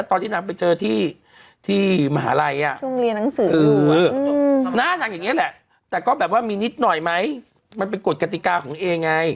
ตอนที่ไปถ่ายนางหรือเมื่อก่อน